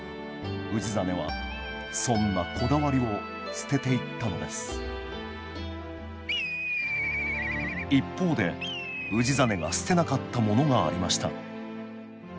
氏真はそんなこだわりを捨てていったのです一方で氏真が捨てなかったものがありました